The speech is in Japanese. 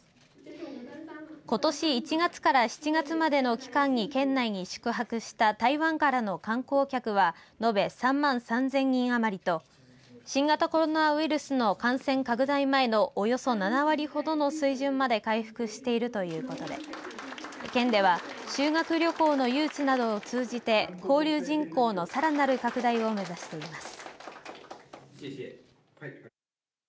ことし１月から７月までの期間に県内に宿泊した台湾からの観光客は延べ３万３０００人余りと新型コロナウイルスの感染拡大前のおよそ７割ほどの水準まで回復しているということで県では修学旅行の誘致などを通じて交流人口のさらなる拡大を目指しています。